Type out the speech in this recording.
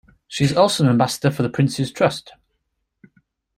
She is also an ambassador for The Prince's Trust.